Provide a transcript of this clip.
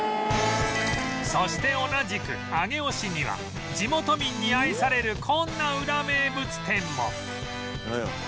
そして同じく上尾市には地元民に愛されるこんなウラ名物店も